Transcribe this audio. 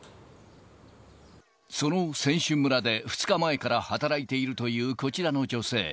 その選手村で２日前から働いているというこちらの女性。